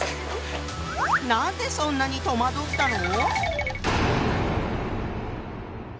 なんでそんなに戸惑ったの？